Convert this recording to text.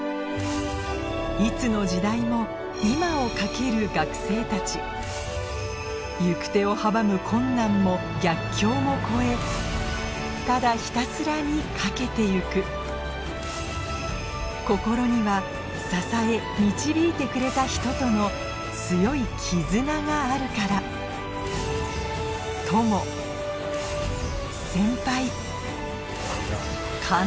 いつの時代も今を駆ける学生たち行く手を阻む困難も逆境も越えただひたすらに駆けて行く心には支え導いてくれた人との強い絆があるからへの思い